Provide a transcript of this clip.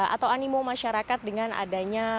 atau animo masyarakat dengan adanya